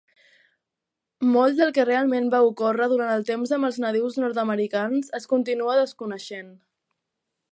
Molt del que realment va ocórrer durant el temps amb els nadius nord-americans es continua desconeixent.